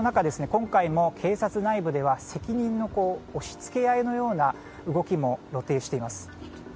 今回も警察内部では責任の押し付け合いのような動きも露呈しています。